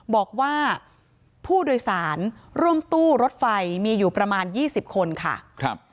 บอกว่าผู้โดยสารร่วมตู้รถไฟมีอยู่ประมาณ๒๐คนค่ะ